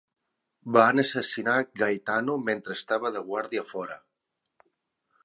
Van assassinar a Gaetano mentre estava de guàrdia a fora.